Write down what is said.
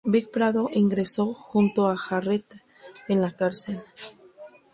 Vic Pardo ingresa junto a Jarrett en la cárcel.